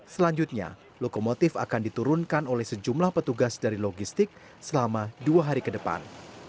selanjutnya lokomotif akan diturunkan oleh sejumlah petugas dari logistik selama dua hari ke depan